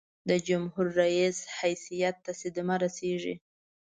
د جمهور رئیس حیثیت ته صدمه رسيږي.